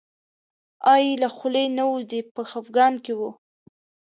آه یې له خولې نه وځي په خپګان کې و.